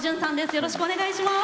よろしくお願いします。